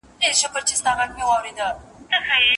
ما هم ورته د پاکې مينې ست خاورې ايرې کړ